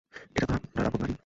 এটা তো আমার আপন বাড়িই!